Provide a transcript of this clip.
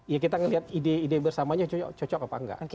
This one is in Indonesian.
ya kita ngelihat ide ide bersamanya cocok apa nggak